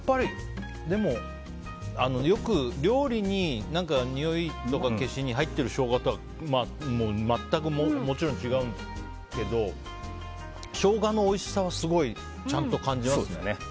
よく料理ににおい消しで入っているショウガとかとは全くもちろん違うけどショウガのおいしさをちゃんと感じますね。